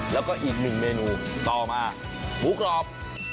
แล้วก็อีกหนึ่งเมนูต่อมาหมูกรอบ